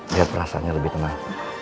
biar perasanya lebih tenang